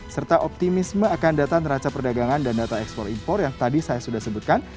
serta optimisme akan data neraca perdagangan dan data ekspor impor yang tadi saya sudah sebutkan